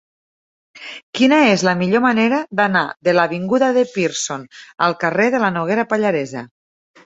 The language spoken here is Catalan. Quina és la millor manera d'anar de l'avinguda de Pearson al carrer de la Noguera Pallaresa?